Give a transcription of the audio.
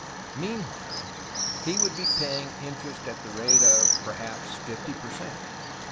Meanwhile he would be paying interest at the rate of perhaps 50 per cent.